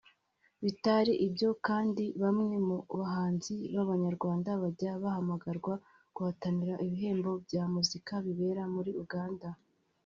Bitari ibyo kandi bamwe mu bahanzi b’abanyarwanda bajya bahamagarwa guhatanira ibihembo bya muzika bibera muri Uganda